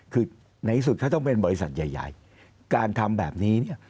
คือในที่สุดถ้าต้องเป็นบริษัทใหญ่การทำแบบนี้เนี่ย